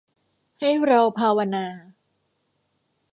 ให้เราภาวนา